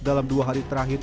dalam dua hari terakhir